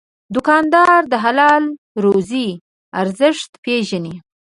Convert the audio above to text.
دوکاندار د حلال روزي ارزښت پېژني.